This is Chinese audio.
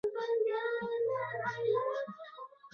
经济以渔业为主。